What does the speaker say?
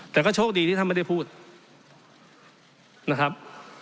แต่ก็โชคดีที่ท่านไม่ได้พูดนะครับ